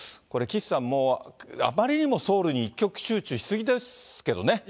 これ、岸さん、もうあまりにもソウルに一極集中しすぎですけどね。